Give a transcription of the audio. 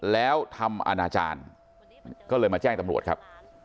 แล้วทำอาณาจารย์ก็เลยมาแจ้งตำรวจครับ